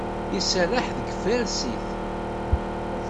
Iserreḥ deg tfarsit.